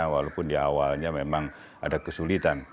walaupun di awalnya memang ada kesulitan